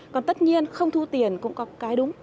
còn tất nhiên không thu tiền cũng có cái đúng